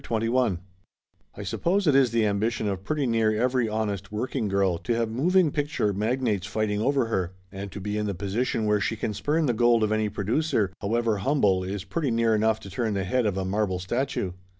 CHAPTER XXI T SUPPOSE it is the ambition of pretty near every * honest working girl to have moving picture mag nates fighting over her ; and to be in the position where she can spurn the gold of any producer, however hum ble, is pretty near enough to turn the head of a marble statue.